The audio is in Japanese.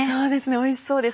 おいしそうです